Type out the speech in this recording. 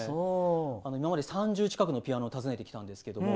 今まで３０近くのピアノを訪ねてきたんですけれども